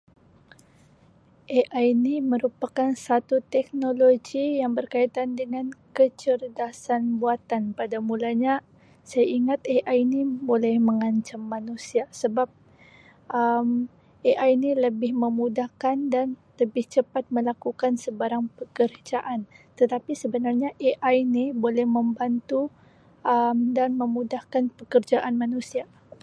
AI ni merupakan satu teknologi yang berkaitan dengan kecedrasan buatan pada mulanya saya ingat AI ni boleh mengancam manusia sebab Um AI ni lebih memudahkan dan lebih cepat melakukan sebarang pekerjaan tetapi sebenarnya AI ni boleh membantu Um dan memudahkan pekerjaan manusia.